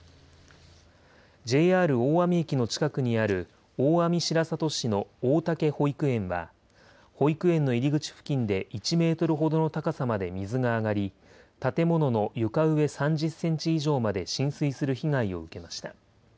ＪＲ大網駅の近くにある大網白里市の大竹保育園は、保育園の入り口付近で１メートルほどの高さまで水が上がり、建物の床上３０センチ以上まで浸水する被害を受けました。